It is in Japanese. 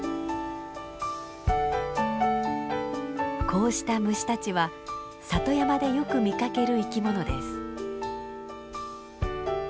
こうした虫たちは里山でよく見かける生き物です。